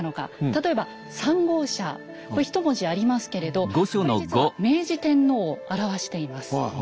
例えば３号車これひと文字ありますけれどこれ実は明治天皇を表しています。